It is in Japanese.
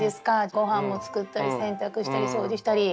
ごはんもつくったり洗濯したり掃除したり。